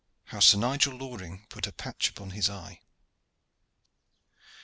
HOW SIR NIGEL LORING PUT A PATCH UPON HIS EYE.